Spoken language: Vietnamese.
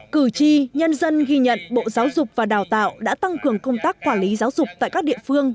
cử tri nhân dân ghi nhận bộ giáo dục và đào tạo đã tăng cường công tác quản lý giáo dục tại các địa phương